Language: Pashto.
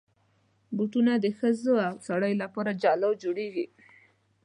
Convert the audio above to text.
بوټونه د ښځو او سړیو لپاره جلا جوړېږي.